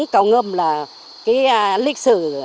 cầu ngâm là lịch sử